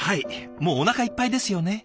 もうおなかいっぱいですよね。